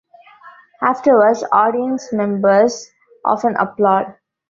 Afterwards audience members often applaud.